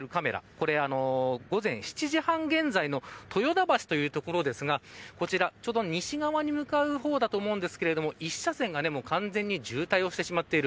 これ午前７時半現在の豊田橋という所ですがこちら、ちょうど西側に向かう方だと思うんですけれども１車線が完全に渋滞してしまっている。